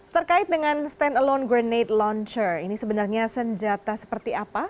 terkait dengan stand alone grenate launcher ini sebenarnya senjata seperti apa